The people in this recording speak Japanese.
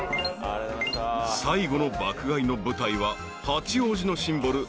［最後の爆買いの舞台は八王子のシンボル